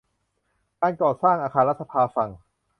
การก่อสร้างอาคารรัฐสภาฝั่ง